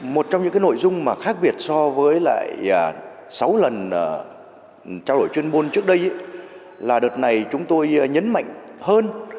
một trong những nội dung mà khác biệt so với lại sáu lần trao đổi chuyên môn trước đây là đợt này chúng tôi nhấn mạnh hơn